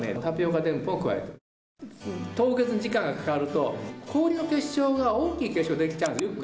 凍結に時間がかかると氷の結晶が大きい結晶できちゃうんです。